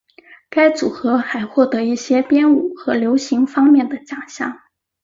该组合还获得一些编舞和流行方面的奖项。